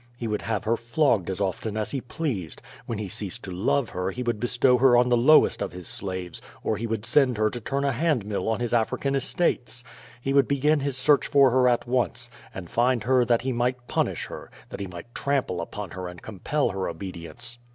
He would have her flogged as often as he pleased. AVhen he ceased to love her he would bestow her on the lowest of his slaves, or he would send her to turn a handmill on his African estates. He would begin his search for her at once, and find her that he might punish her, that he might trample upon her and compel her obedience.